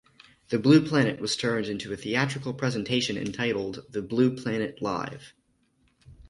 "The Blue Planet" was turned into a theatrical presentation entitled "The Blue Planet Live!